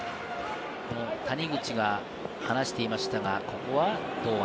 谷口が話していましたが、ここは堂安。